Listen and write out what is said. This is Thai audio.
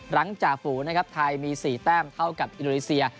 จ่าฝูนะครับไทยมี๔แต้มเท่ากับอินโดนีเซีย